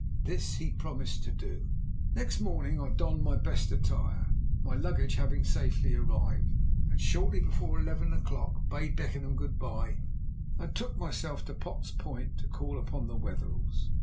This he promised to do. Next morning I donned my best attire (my luggage having safely arrived), and shortly before eleven o'clock bade Beckenham good bye and betook myself to Potts Point to call upon the Wetherells.